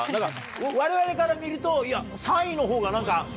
我々から見ると３位のほうが。